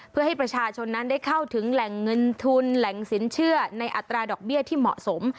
เพื่อให้ประชาชนนั้นได้เข้าถึงแหล่งเงินทุนแหล่งสินเชื่อในอัตราดอกเบี้ยที่เหมาะสม